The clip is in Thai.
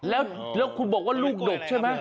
แล้วคุณบอกว่าลูกดกใช่ไหม